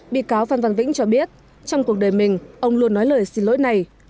bị cáo phan văn vĩnh cho biết trong cuộc đời mình ông luôn nói lời xin lỗi này